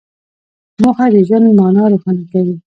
موخه د ژوند مانا روښانه کوي.